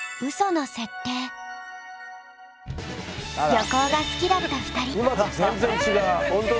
旅行が好きだった２人。